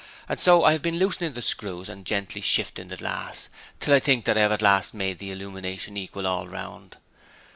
and so I have been loosening the screws and gently shifting the glass, till I think that I have at last made the illumination equal all round.